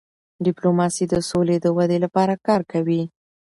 ډيپلوماسي د سولې د ودی لپاره کار کوي.